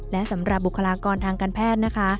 และสำหรับบุคลากรทางการแพทย์นะคะ